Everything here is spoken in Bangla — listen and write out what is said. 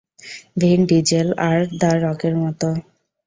ভিন ডিজেল আর দ্য রকের মত।